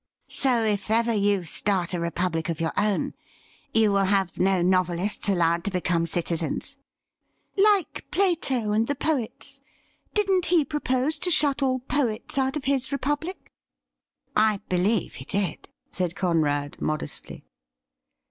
' So if ever you start a republic of your own, you will have no novelists allowed to become citizens .?'' Like Plato and the poets. Didn't he propose to shut all poets out of his Republic ?'' I believe he did,' said Conrad modestly.